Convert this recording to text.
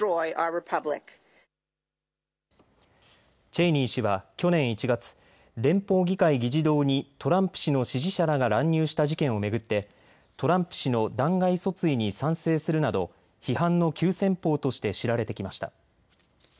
チェイニー氏は去年１月、連邦議会議事堂にトランプ氏の支持者らが乱入した事件を巡ってトランプ氏の弾劾訴追に賛成するなど批判の急先ぽうとして知られてきました。